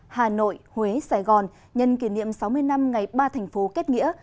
hà nội huế sài gòn nhân kỷ niệm sáu mươi năm ngày ba thành phố kết nghĩa